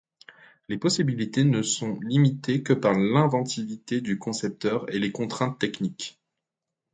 Les possibilités ne sont limitées que par l'inventivité du concepteur et les contraintes techniques.